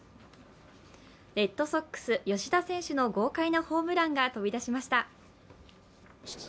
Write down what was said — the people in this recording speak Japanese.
レッドソックス・吉田選手の豪快なホームランが飛び出しました。